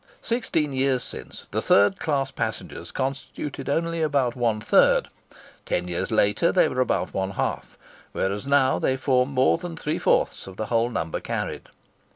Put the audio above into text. Sixteen years since, the third class passengers constituted only about one third; ten years later, they were about one half; whereas now they form more than three fourths of the whole number carried.